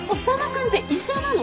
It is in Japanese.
君って医者なの？